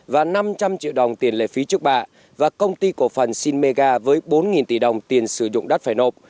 và năm trăm linh triệu đồng tiền lệ phí trước bạ và công ty cổ phần sinega với bốn tỷ đồng tiền sử dụng đất phải nộp